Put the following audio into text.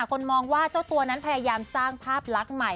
คนมองว่าเจ้าตัวนั้นพยายามสร้างภาพลักษณ์ใหม่